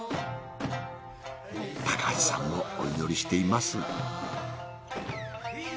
高橋さんもお祈りしています。